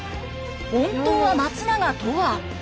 「本当は松永」とは？